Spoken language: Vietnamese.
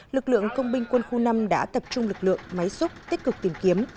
lực lượng công binh quân khu năm đã tập trung lực lượng máy xúc tích cực tìm kiếm